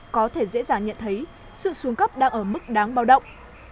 có thể dễ dàng nhận thấy sự xuống cấp đang ở mức đáng báo động